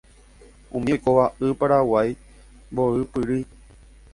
Umi oikóva Y Paraguay mboypýri